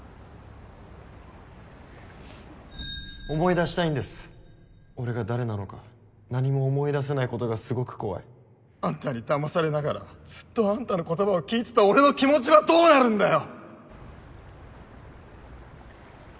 思い出したいんです俺が誰なのか何も思い出せないことがすごく怖いあんたにだまされながらずっとあんたの言葉を聞いてた俺の気持ちはどうなるんだよ！